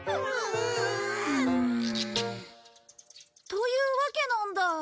うん。というわけなんだ。